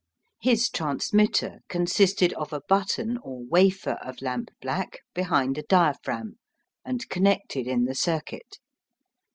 His transmitter consisted of a button or wafer of lamp black behind a diaphragm, and connected in the circuit.